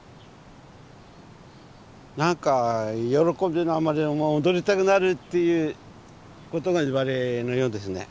何か喜びのあまり踊りたくなるということがいわれのようですね。